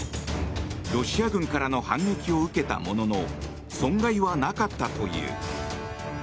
ロシア軍からの反撃を受けたものの損害はなかったという。